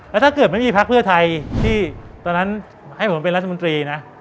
แล้วถ้าเกิดไม่มีพักเพื่อไทยที่ตอนนั้นให้ผมเป็นรัฐมนตรีนะ